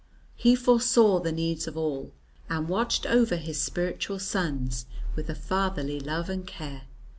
He foresaw the needs of all, and watched over his spiritual sons with a fatherly love and care.